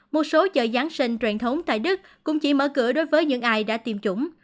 một số chợ giáng sinh truyền thống tại đức cũng chỉ mở cửa đối với những ai đã tiêm chủng